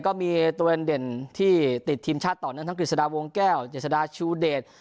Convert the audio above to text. ก็มีตัวแด่นดินที่ติดทีมชาติตอนนั้นทั้งฮิตสดาวงแก้วฮิตสดาชูเดช